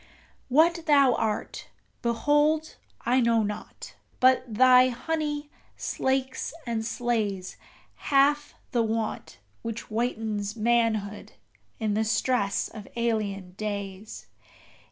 What thou art, behold, I know not; but thy honey slakes and slays Half the want which whitens manhood in the stress of alien days!